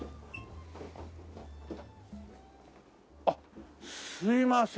あっすいません。